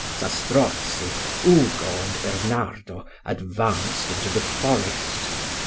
Zastrozzi, Ugo, and Bernardo, advanced into the forest.